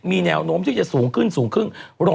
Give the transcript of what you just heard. มีแนวโน้มที่จะสูงขึ้นสูงขึ้น